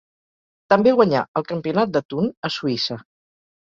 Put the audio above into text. També guanyà el campionat de Thun a Suïssa.